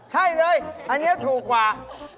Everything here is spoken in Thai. ใช่เลยอันนี้ถูกกว่า